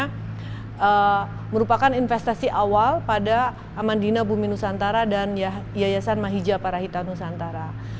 jadi ini merupakan investasi awal pada amandina bumi nusantara dan yayasan mahijapara hita nusantara